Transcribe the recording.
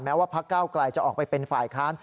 ว่าพักเก้าไกลจะออกไปเป็นฝ่ายค้าน